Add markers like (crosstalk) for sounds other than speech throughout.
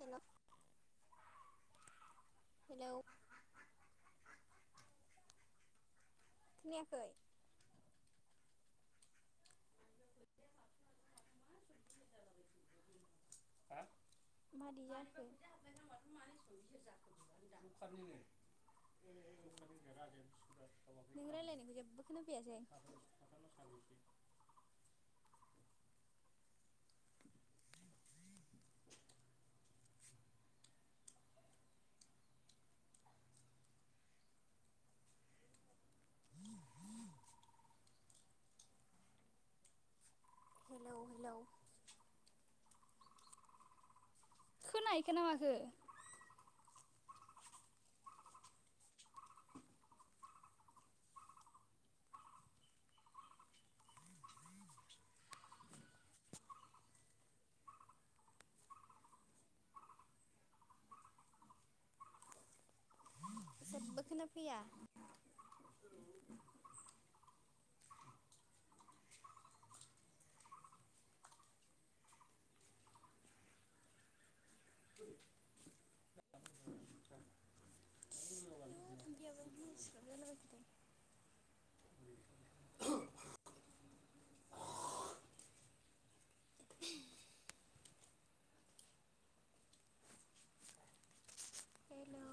हेल' hello खोनायाखै हा मादै जाखो (inaudible) नों राय्लायनायखौ जेबो खोनाफैयासै (inaudible) हेलौ हेलौ। खोनाहैखोना माखो? जेबबो खोनाफैया। आइऔ थाम्फैयाबो मासिग्राब जालाबायखोथाय। हेल'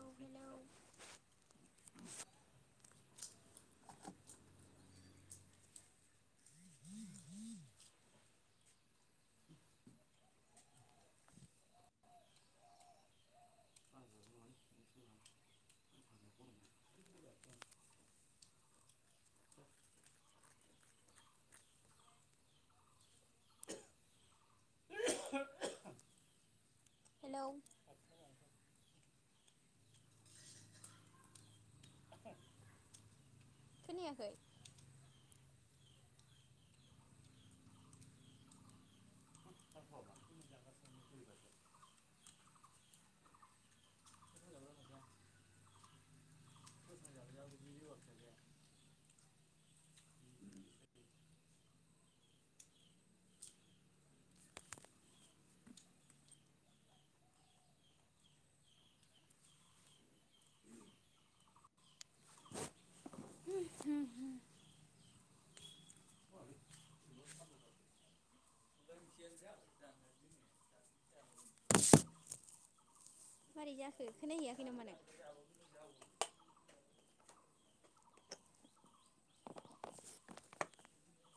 हेलौ खोनायाखै? मारै जाखो खोनाहैयाखै नामा नों?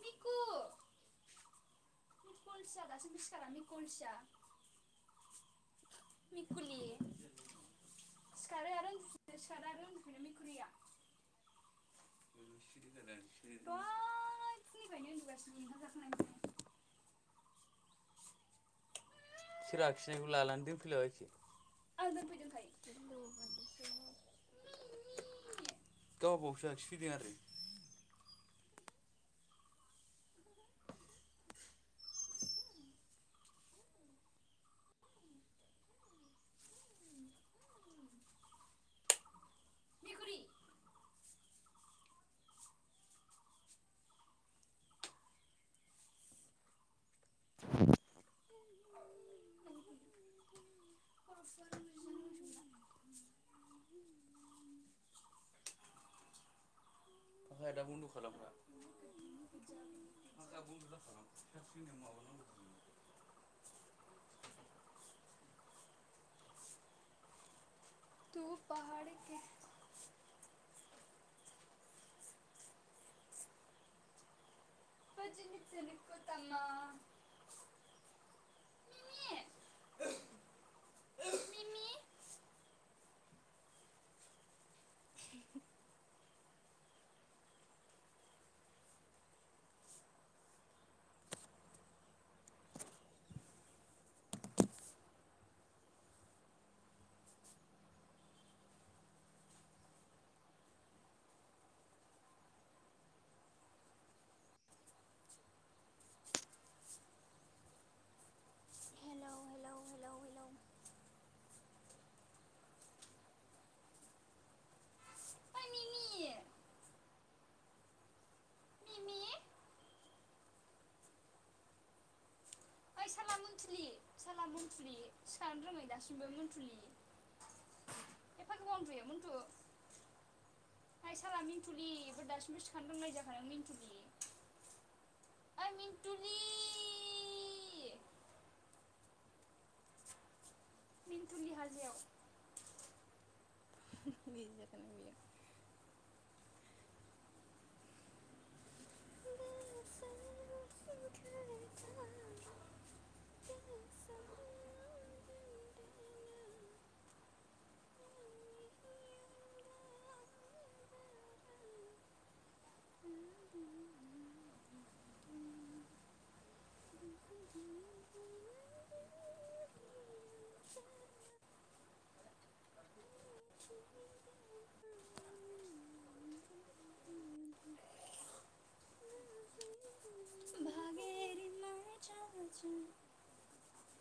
मिकु (inaudible) मिकुलि सिखारो आरो उन्दुफिनो सिखारो आरो उन्दुफिनो मेखुरैया। (inaudible) सोर आखिनायखौ लानानै दोनफैलाबायखो? गिलु बालुसोहाय। गावहा बावसो आखिफैदों आरो। मिकुलि (inaudible) या दा बन्द' खालामखा। (inaudible) (inaudible) (inaudible) मिमि मिमि (inaudible) हेलौ हेलौ हेलौ हेलौ। ओइ मिमि मिमि ओइ साला मन्थुलि साला मन्थुलि सिखारनो रोङै दासिमबो मन्थुलि। (inaudible) ओइ साला मिनथुलि मा दासिमबो सिखारनो रोंलायै जाखो नों मिनथुलि। ओइ मिनथुलि। मिनथुलि हाजेव। (inaudible) (inaudible) (inaudible)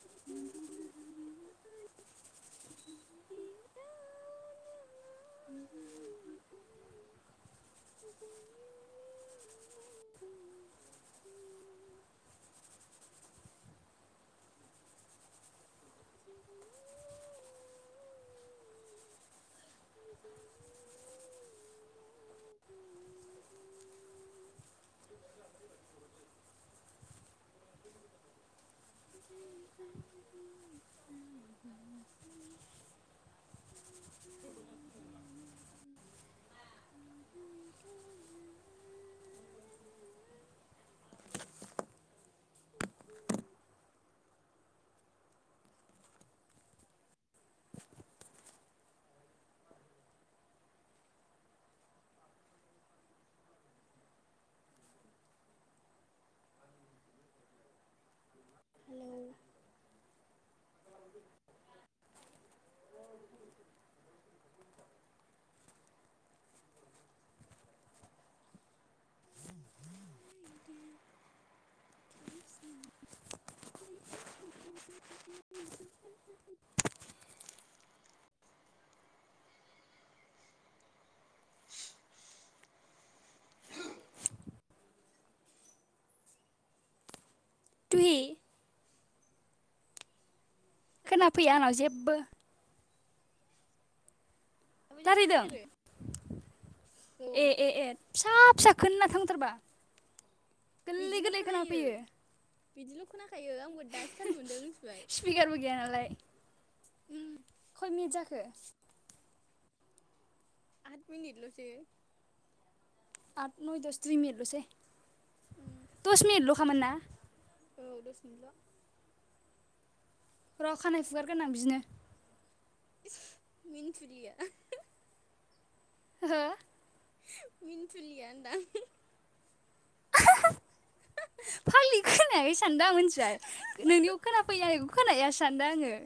(inaudible) हेलौ (inaudible) (inaudible) माबायदि (unintelligible) खोनाफैया आंनाव जेबो। ओमफाय जेबो रायलायदों खोनाया‌ आरो औ ए ए ए फिसा फिसा खोना थांथारबा गोरलै बिदिल गोरलै खोनायो खोनाफैयो बिदिल खोनाखायो आंबो दासो थाल मोनदों मिथिबाय स्पिकारबो गैया नालाय ओम खय मिनिट जाखो आट मिनिटलसो आद नय दस दुइ मिनिद लसै उम, दस मिनिट लखामोन ना औ दसमिनितल र खानाय फुगारगोरनां बिदिनो इस मिनथुलिया होहो हो मिनथुलिया होनदां (unintelligible) (unintelligible) फाग्लि खोनायाखैसो सानदों आं मोनथिबाय नोंनियाव खोनाफैयो आंनिखौ खोना हैया सो सानदां आङो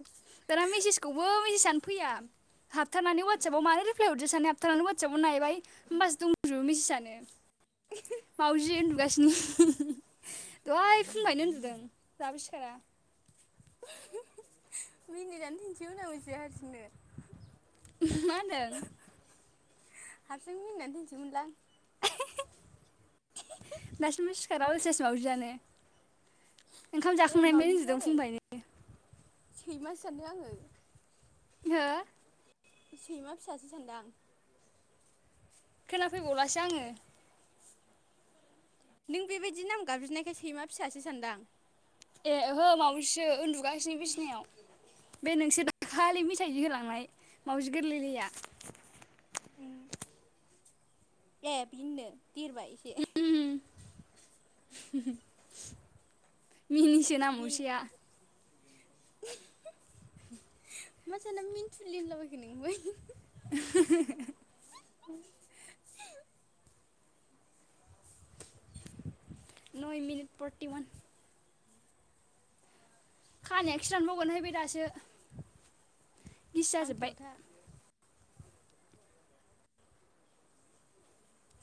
दाना मेसेजखौबो मेसेजानो फैया हाबथारनानै वात्सबाव मानो रिप्लाय हरदो साननानै हाबथानानैनानै वात्सबाव नायबाय होमबासो दंजुबो मेसेजानो (unintelligible) मावजि उन्दुगासिनो (unintelligible) दहाय फुंफायनो उन्दुदों दाबो सिखारा (unintelligible) मिनिनानै थैनिसैमोन आं मिथिबाइ हारसिं नो (unintelligible) मा होनदों हारसिं मिनिनानै थैनोसैमोनलां (unintelligible) दासिमबो सिखारा अलसेयासो मावजियानो ओंखाम ए जाखांनायनिफ्रायनो मावजिसो उन्दुदों आरो फुंनिफायनो सैमासो सानदों आङो हो सैमा फिसासो सानदांं खोनाफैबावलासो आङो नों बेबायदि नाम गाबज्रिनायखाय सैमा फिसासो सानदां ए ओहो मावजिसो उन्दुगासिनो बिसिनायाव बे नोंसोर दाखालि मिथाइ जि होलांनाय मावजि गोरलै लैया ए बिनो देरबाय एसे मिनिसो नाम बेनो मुसिया (unintelligible) मा सानना मिनथुलि होनलाबायखो नोंलाय (inaudible) नय मिनिट फरति वान खानायाखि रानबावगोनहाय बे दासो गिसि जाजोब्बाय फांखायाव था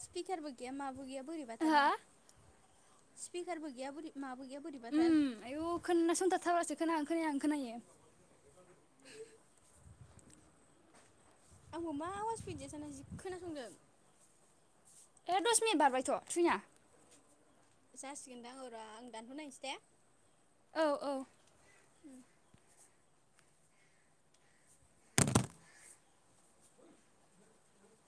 स्पिकारबो गैया माबो गैया हा बोरैबाथारहाय स्पिकारबो गैया बोर माबो गैया बोरैबाथार उम आयु खोनासंथाबथारबासो खोनाहां खोनाहां खोनायो (unintelligible) आंबो मा आवाज फैदिया साना जि खोनासंदों ए दस मिनिट बारबायथ' थुइना जासिगोनदां और आं दानहर नायनोसै दे औ औ